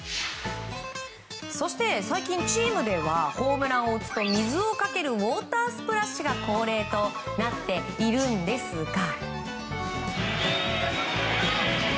そして最近チームではホームランを打つと水をかけるウォータースプラッシュが恒例となっているんですが。